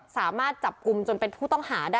สามารถจับกลุ่มจนเป็นผู้ต้องหาได้